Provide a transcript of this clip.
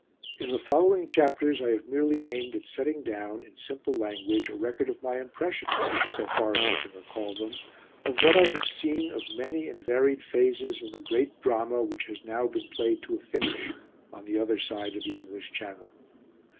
In the following chapters I have merely aimed at setting down, in simple language, a record of my impressions, so far as I can recall them, of what I have seen of many and varied phases of the Great Drama which has now been played to a finish on the other side of the English Channel.